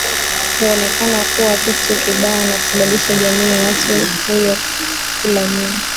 huonekana kuwa kitu kibaya na kusababisha jamii ya mtu huyo kulaumiwa